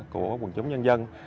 của quần chúng nhân dân